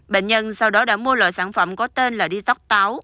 bệnh nhân sau đó đã mua loại sản phẩm có tên là detox táo